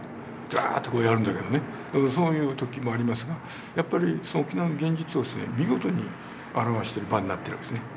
ザアーッとこうやるんだけどねそういう時もありますがやっぱり沖縄の現実を見事に表してる場になってるわけですね。